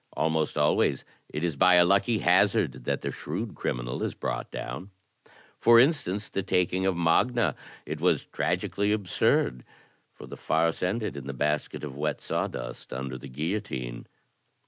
Almost always it is by a lucky hazard that the shrewd criminal is brought down. For instance, the taking of Magne; it was tragically absurd — for the farce ended in the basket of wet sawdust under the guillotine.